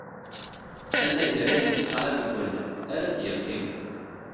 Anagar ayen tesɛa deg wallaɣ ara d-yeqqimen.